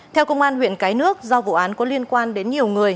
theo công an huyện cái nước do vụ án có liên quan đến nhiều người